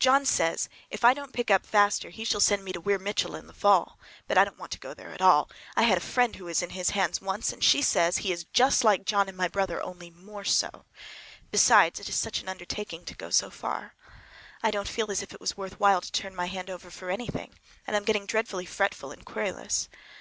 John says if I don't pick up faster he shall send me to Weir Mitchell in the fall. But I don't want to go there at all. I had a friend who was in his hands once, and she says he is just like John and my brother, only more so! Besides, it is such an undertaking to go so far. I don't feel as if it was worth while to turn my hand over for anything, and I'm getting dreadfully fretful and querulous.